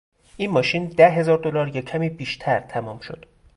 این ماشین ده هزار دلار یا کمی بیشتر تمام شد.